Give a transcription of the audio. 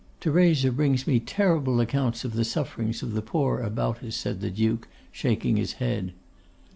'Theresa brings me terrible accounts of the sufferings of the poor about us,' said the Duke, shaking his head.